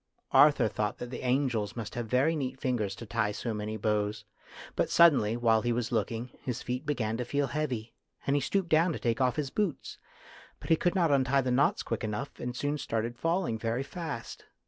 Arthur thought that the angels must have very neat FATE AND THE ARTIST 249 fingers to tie so many bows, but suddenly, while he was looking, his feet began to feel heavy, and he stooped down to take off his boots ; but he could not untie the knots quick enough, and soon he started falling very fast.